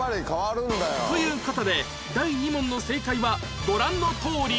という事で第２問の正解はご覧のとおり